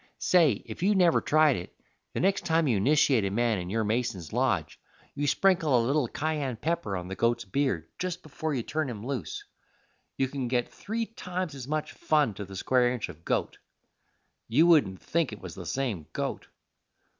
Say, if you never tried it, the next time you nishiate a man in your Mason's lodge you sprinkle a little kyan pepper on the goat's beard just before you turn him loose. You can get three times as much fun to the square inch of goat. You wouldn't think it was the same goat.